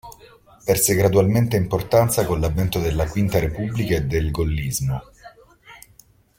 Perse gradualmente importanza con l'avvento della quinta repubblica e del gollismo.